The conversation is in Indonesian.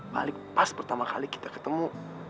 balik pas pertama kali kita ketemu